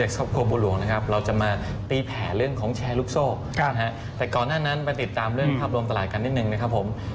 สวัสดีครับเชิญครับ